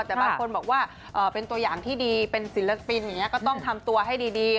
แต่บางคนบอกว่าเป็นตัวอย่างที่ดีเป็นศิลปินอย่างนี้ก็ต้องทำตัวให้ดี